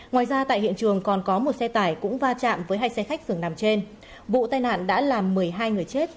ngoài ra tại hiện trường còn có một xe tải cũng va chạm với hai xe khách dường nằm trên vụ tai nạn đã làm một mươi hai người chết và bốn mươi người bị thương